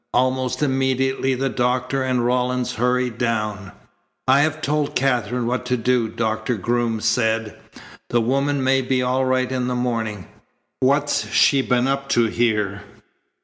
Almost immediately the doctor and Rawlins hurried down. "I have told Katherine what to do," Doctor Groom said. "The woman may be all right in the morning. What's she been up to here?"